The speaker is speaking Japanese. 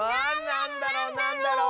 なんだろ？